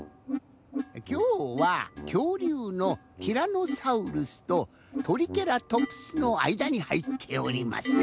きょうはきょうりゅうのティラノサウルスとトリケラトプスのあいだにはいっております。